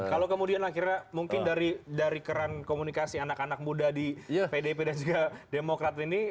kalau kemudian akhirnya mungkin dari keran komunikasi anak anak muda di pdip dan juga demokrat ini